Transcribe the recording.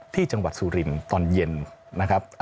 ที่จังหวัดสุรินทร์ตอนเย็นนะครับ